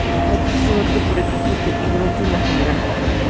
Allí fue oro por equipos y bronce en la general.